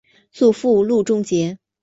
祖父路仲节。